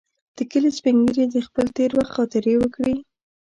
د کلي سپین ږیري د خپل تېر وخت خاطرې وکړې.